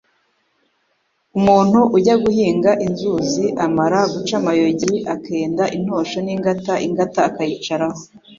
Umuntu ujya guhinga inzuzi, amara guca amayogi, akenda intosho n’ingata ingata akayicaraho,